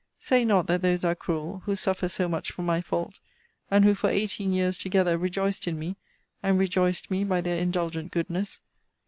Say not that those are cruel, who suffer so much for my fault; and who, for eighteen years together, rejoiced in me, and rejoiced me by their indulgent goodness!